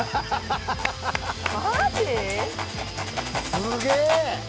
すげえ！